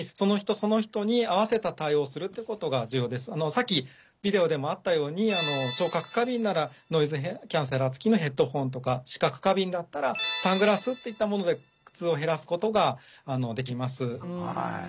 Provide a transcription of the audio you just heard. さっきビデオでもあったように聴覚過敏ならノイズキャンセラーつきのヘッドホンとか視覚過敏だったらサングラスっていったもので苦痛を減らすことができます。